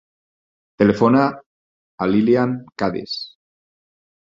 Telefona a l'Ilyan Cadiz.